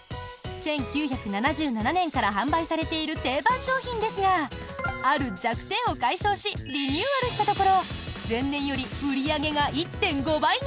１９７７年から販売されている定番商品ですがある弱点を解消しリニューアルしたところ前年より売り上げが１．５倍に！